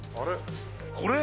これ？